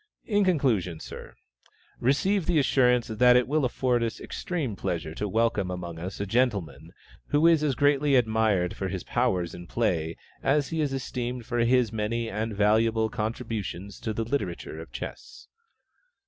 In conclusion, Sir, receive the assurance that it will afford us extreme pleasure to welcome among us a gentleman, who is as greatly admired for his powers in play as he is esteemed for his many and valuable contributions to the literature of chess.